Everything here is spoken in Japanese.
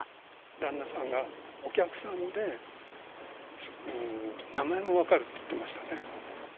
旦那さんが、お客さんで名前も分かるって言ってましたね。